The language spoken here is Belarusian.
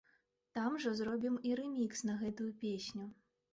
Там жа зробім і рэмікс на гэтую песню.